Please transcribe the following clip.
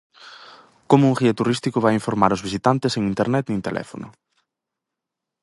Como un guía turístico vai informar aos visitantes sen Internet nin teléfono?